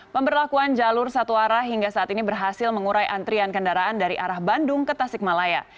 pemberlakuan jalur satu arah hingga saat ini berhasil mengurai antrian kendaraan dari arah bandung ke tasikmalaya